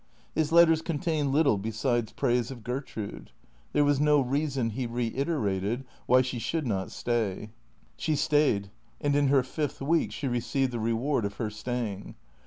His letters contained little besides praise of Gertrude. There was no reason, he reiterated, why she should not stay. She stayed, and in her fifth week she received the reward of her staying.